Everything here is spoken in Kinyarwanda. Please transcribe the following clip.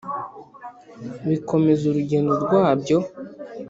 bikomeza urugendo rwabyo.